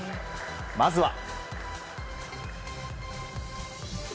まずは。